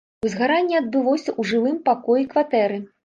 Узгаранне адбылося ў жылым пакоі кватэры.